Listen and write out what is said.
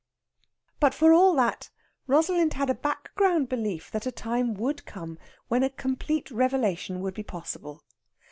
But for all that, Rosalind had a background belief that a time would come when a complete revelation would be possible.